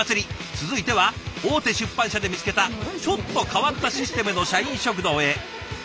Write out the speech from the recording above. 続いては大手出版社で見つけたちょっと変わったシステムの社員食堂へ。